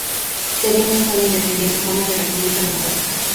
Sería un estado independiente en forma de república democrática.